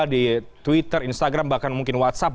di twitter instagram bahkan mungkin whatsapp